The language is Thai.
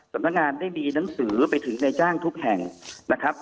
สำนักงานได้มีหนังสือไปถึงในจ้างทุกแห่งนะครับ